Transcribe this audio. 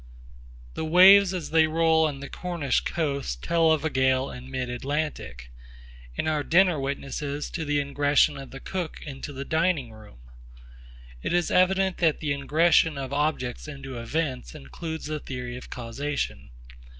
The waves as they roll on to the Cornish coast tell of a gale in mid Atlantic; and our dinner witnesses to the ingression of the cook into the dining room. It is evident that the ingression of objects into events includes the theory of causation.